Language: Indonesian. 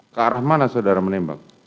ke arah mana saudara menembak